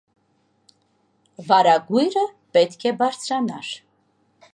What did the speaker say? վարագույրը պետք է բարձրանար: